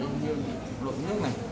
ví dụ như lộn nước này